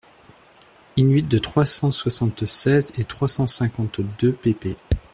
in-huit de trois cent soixante-seize et trois cent cinquante-deux pp.